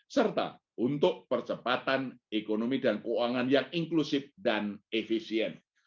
serta untuk percepatan ekonomi dan keuangan yang inklusif dan efisien